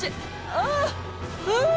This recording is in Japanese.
ああうう！